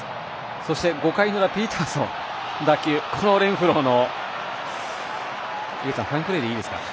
そして、５回の裏ピーターソンの打球、このレンフローはファインプレーでいいですか？